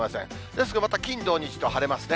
ですがまた金、土、日と晴れますね。